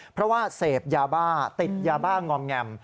เพราะว่าเสพยาบ้าติดยาบ้างอมแงม